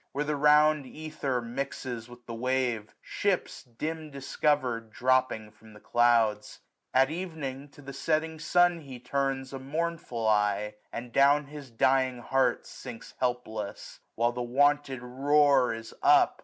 Where the round ether mixes with the wave, 945 Ships, dim«discover'd, dropping from the clouds ; At evening, to the setting sun he turns A mournful eye, and down his dying heart Sinks helpless ; while the wonted roar is up.